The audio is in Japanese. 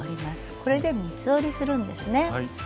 これで三つ折りするんですね。